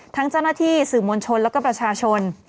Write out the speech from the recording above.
เจ้าหน้าที่สื่อมวลชนแล้วก็ประชาชน